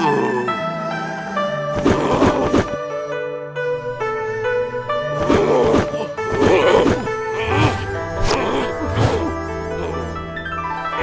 terus saya jadi ketawa